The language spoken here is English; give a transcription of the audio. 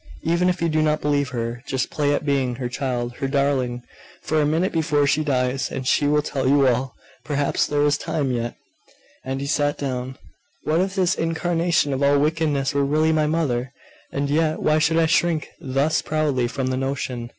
Even if you do not believe her, just play at being her child, her darling, for a minute before she dies; and she will tell you all.... perhaps there is time yet!' And he sat down.... 'What if this incarnation of all wickedness were really my mother?.... And yet why should I shrink thus proudly from the notion?